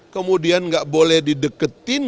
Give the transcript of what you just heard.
kemudian gak boleh dideketin